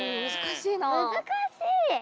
むずかしいな。